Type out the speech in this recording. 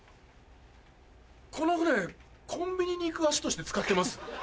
この船コンビニに行く足として使ってます？